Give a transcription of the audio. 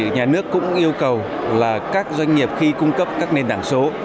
nhà nước cũng yêu cầu là các doanh nghiệp khi cung cấp các nền tảng số